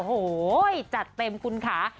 โหจัดเต็มคุณขา